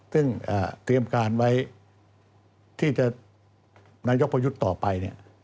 ซึ่งเตรียมการไว้ที่จะนายกประยุทธ์ต่อไปเนี่ย